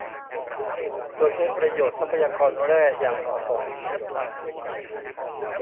โดยใช้ประโยชน์ทรัพยากรแร่อย่างเหมาะสม เป็นธรรม